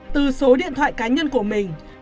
từ số điện thoại cá nhân của mình